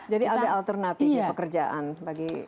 jadi ada alternatifnya pekerjaan bagi